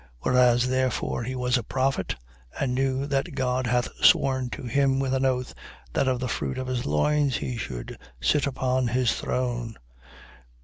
2:30. Whereas therefore he was a prophet and knew that God hath sworn to him with an oath, that of the fruit of his loins one should sit upon his throne.